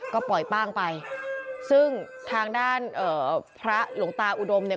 ก็ปล่อยป้างไปซึ่งทางด้านเอ่อพระหลวงตาอุดมเนี่ย